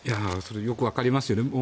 よく分かりますよね。